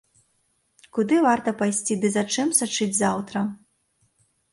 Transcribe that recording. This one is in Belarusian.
Куды варта пайсці ды за чым сачыць заўтра.